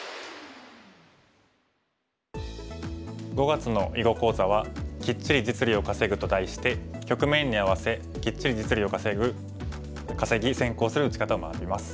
５月の囲碁講座は「キッチリ実利を稼ぐ」と題して局面に合わせキッチリ実利を稼ぎ先行する打ち方を学びます。